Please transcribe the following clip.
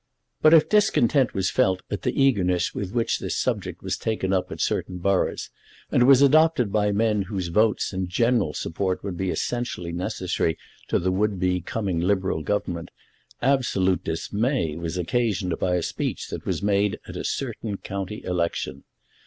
But if discontent was felt at the eagerness with which this subject was taken up at certain boroughs, and was adopted by men whose votes and general support would be essentially necessary to the would be coming Liberal Government, absolute dismay was occasioned by a speech that was made at a certain county election.